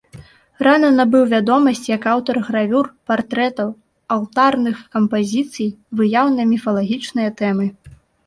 Рана набыў вядомасць як аўтар гравюр, партрэтаў, алтарных кампазіцый, выяў на міфалагічныя тэмы.